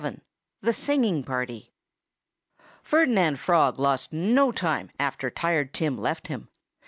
VII THE SINGING PARTY Ferdinand Frog lost no time, after Tired Tim left him.